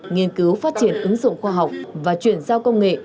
nghiên cứu phát triển ứng dụng khoa học và chuyển giao công nghệ